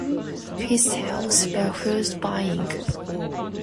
Peace Sells... but Who's Buying?